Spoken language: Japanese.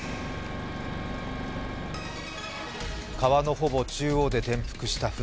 川のほぼ中央で転覆した舟。